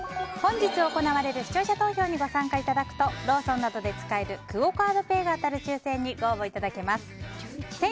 本日行われる視聴者投票にご参加いただくとローソンなどで使えるクオ・カードペイが当たる抽選にご応募いただけます。